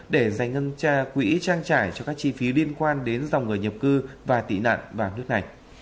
để giành ngưng tra quỹ trang trải cho các chi phí liên quan đến dòng người nhập cư và tị nạn vào nước này